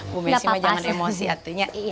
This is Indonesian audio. bu messi mah jangan emosi hatinya